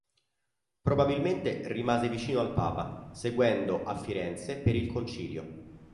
Probabilmente rimase vicino al papa, seguendo a Firenze per il Concilio.